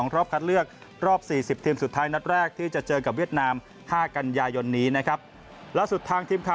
รอบคัดเลือกรอบ๔๐ทีมสุดท้าย